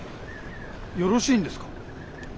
よろしいんですか？